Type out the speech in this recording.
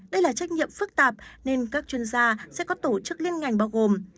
đây là trách nhiệm phức tạp nên các chuyên gia sẽ có tổ chức liên ngành bao gồm